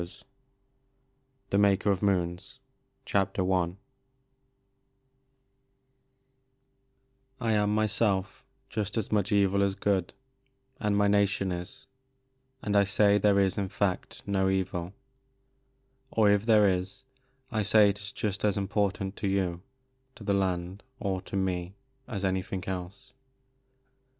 347 THE MAKER OF MOONS « I am myself just as much evil as good, and mj nation is— And I say there is in fact no evil ; (Or if there is, I say it is just as important to you, to the land, or to me, as anything else.